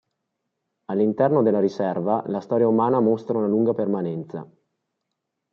All'interno della Riserva la storia umana mostra una lunga permanenza.